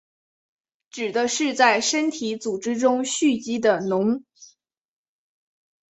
指的是在身体组织中蓄积的脓。